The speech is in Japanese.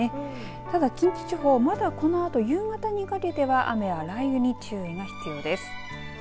ただ、近畿地方まだこのあと夕方にかけては雨や雷雨に注意が必要です。